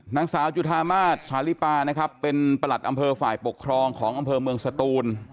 นางสาวจุธามาศสาลิปานะครับเป็นประหลัดอำเภอฝ่ายปกครองของอำเภอเมืองสตูน